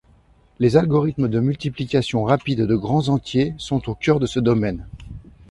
Les algorithmes de multiplication rapide de grands entiers sont au cœur de ce domaine.